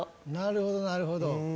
なるほどなるほど。